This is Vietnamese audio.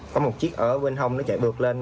có một chiếc ở bên hông nó chạy được lên